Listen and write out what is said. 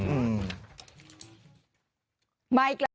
อืม